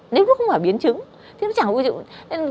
nếu nó không phải biến chứng thì nó chẳng có triệu chứng gì cả